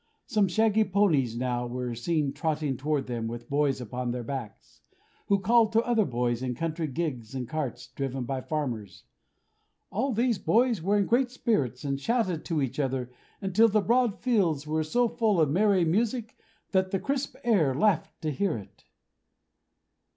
Some shaggy ponies now were seen trotting toward them with boys upon their backs, who called to other boys in country gigs and carts, driven by farmers. All these boys were in great spirits, and shouted to each other, until the broad fields were so full of merry music, that the crisp air laughed to hear it.